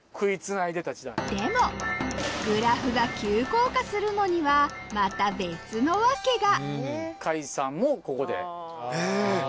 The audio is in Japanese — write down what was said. でもグラフが急降下するのにはまた別の訳がもここで。